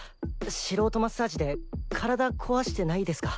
素人マッサージで体壊してないですか？